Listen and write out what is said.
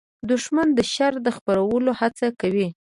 دښمن د شر د خپرولو هڅه کوي